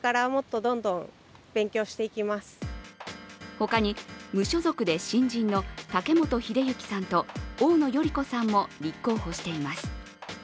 ほかに、無所属で新人の竹本秀之さんと大野頼子さんも立候補しています。